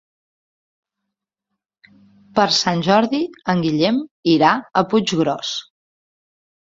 Per Sant Jordi en Guillem irà a Puiggròs.